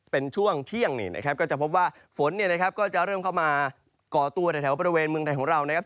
เป็นช่วงเที่ยงนี่นะครับก็จะพบว่าฝนเนี่ยนะครับก็จะเริ่มเข้ามาก่อตัวในแถวบริเวณเมืองไทยของเรานะครับ